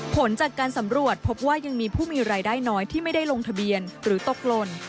ผลจากการสำรวจพบว่ายังมีผู้มีรายได้น้อยที่ไม่ได้ลงทะเบียนหรือตกหล่น